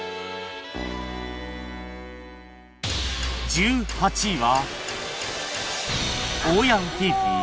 １８位は